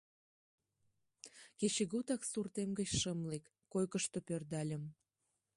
Кечыгутак суртем гыч шым лек, койкышто пӧрдальым...